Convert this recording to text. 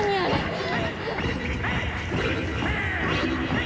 はい！